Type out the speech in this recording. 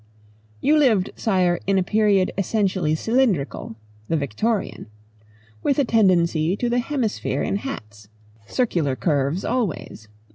"You lived, Sire, in a period essentially cylindrical the Victorian. With a tendency to the hemisphere in hats. Circular curves always.